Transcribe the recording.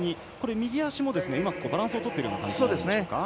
右足もうまくバランスをとっている感じですか。